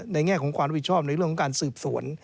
แง่ของความผิดชอบในเรื่องของการสืบสวน